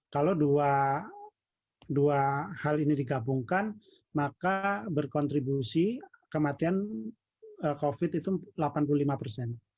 kalau dua hal ini digabungkan maka berkontribusi kematian covid itu delapan puluh lima persen